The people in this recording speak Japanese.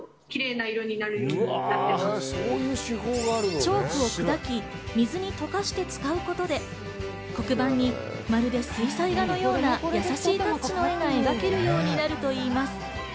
チョークを砕き水に溶かして使うことで黒板にまるで水彩画のようなやさしい絵が描けるようになるといいます。